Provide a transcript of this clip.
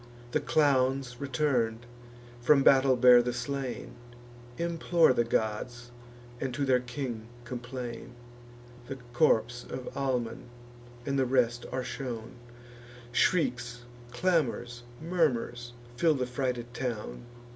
The clowns, return'd, from battle bear the slain, Implore the gods, and to their king complain. The corps of Almon and the rest are shown; Shrieks, clamours, murmurs, fill the frighted town.